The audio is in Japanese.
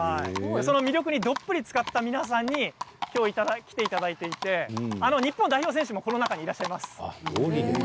魅力にどっぷりつかった皆さんに来ていただいていて日本代表選手もこの中にいらっしゃいます。